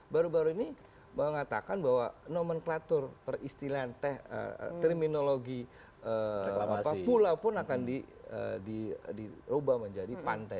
baru baru ini mengatakan bahwa nomenklatur peristilan teh terminologi pulau pun akan dirubah menjadi pantai